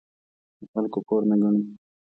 د خلکو پور نه ګڼي.